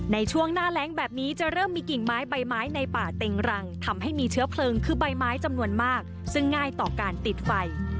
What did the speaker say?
ในช่วงหน้าแรงแบบนี้จะเริ่มมีกิ่งไม้ใบไม้ในป่าเต็งรังทำให้มีเชื้อเพลิงคือใบไม้จำนวนมากซึ่งง่ายต่อการติดไฟ